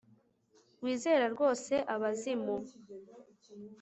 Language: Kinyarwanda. wizera rwose abazimu